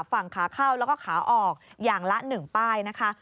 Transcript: ฝั่งขาเข้าแล้วก็ขาออกอย่างละ๑ป้ายนะคะ